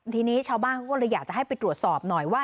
ทีนี้ชาวบ้านเขาก็เลยอยากจะให้ไปตรวจสอบหน่อยว่า